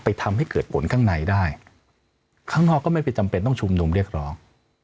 ทำให้เกิดผลข้างในได้ข้างนอกก็ไม่ไปจำเป็นต้องชุมนุมเรียกร้อง